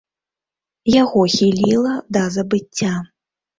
Яго хіліла да забыцця.